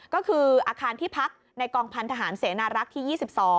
ก็คืออาคารที่พักในกองพันธหารเสนารักษ์ที่๒๒